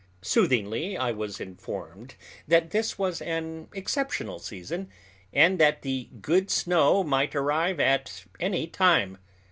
Soothingly I was informed that this was an exceptional season, and that the good snow might arrive at any time.